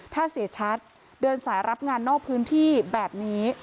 ถ้าเสียชัดเดินสายรับงานนอกพื้นที่แบบนี้